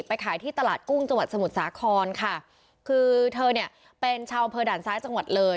ขายที่ตลาดกุ้งจังหวัดสมุทรสาครค่ะคือเธอเนี่ยเป็นชาวอำเภอด่านซ้ายจังหวัดเลย